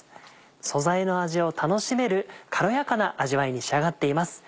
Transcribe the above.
素材の味を楽しめる軽やかな味わいに仕上がっています。